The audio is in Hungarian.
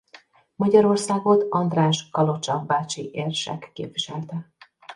Magyarországot András kalocsa-bácsi érsek képviselte.